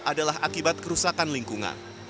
adalah akibat kerusakan lingkungan